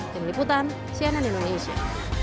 dengan liputan cnn indonesia